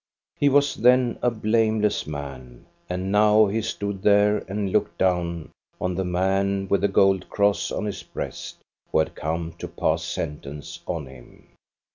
He was then a blameless man, and now he stood there and looked down on the man with the gold cross on his breast, who had come to pass sentence on him.